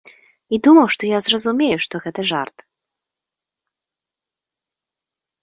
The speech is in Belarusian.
І думаў, што я зразумею, што гэта жарт.